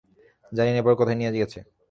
জানি না এরপর কোথায় নিয়ে গেছে।